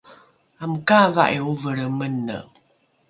amokaava’i ovelre mene